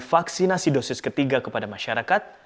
vaksinasi dosis ketiga kepada masyarakat